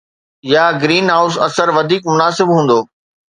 يا greenhouse اثر وڌيڪ مناسب هوندو